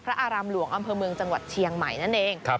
อารามหลวงอำเภอเมืองจังหวัดเชียงใหม่นั่นเอง